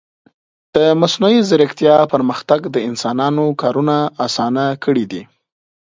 د مصنوعي ځیرکتیا پرمختګ د انسانانو کارونه آسانه کړي دي.